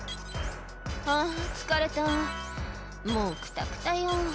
「あぁ疲れたもうクタクタよ」